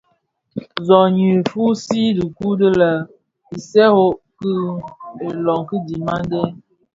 Zohnyi fusii dhikuu di le Isékos bi iloňki dhimandé.